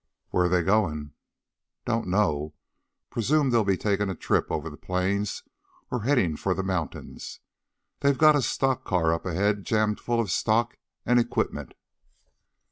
"Where they going?" "Don't know. Presume they'll be taking a trip over the plains or heading for the mountains. They've got a stock car up ahead jammed full of stock and equipment."